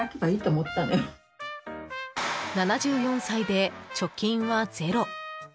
７４歳で貯金はゼロ。